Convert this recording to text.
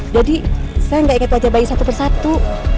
jadi saya gak ikat baca bayi satu persatu